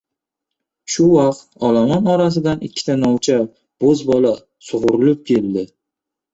Shu vaqt, olomon orasidan ikkita novcha bo‘zbola sug‘urilib keldi.